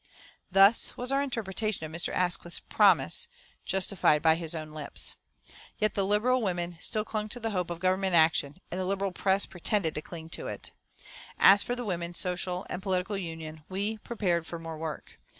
Thus was our interpretation of Mr. Asquith's "promise" justified from his own lips. Yet the Liberal women still clung to the hope of Government action, and the Liberal press pretended to cling to it. As for the Women's Social and Political Union, we prepared for more work.